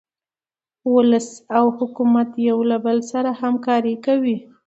ولس او حکومت یو له بل سره همکاري کوي.